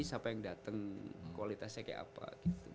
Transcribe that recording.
siapa yang datang kualitasnya kayak apa gitu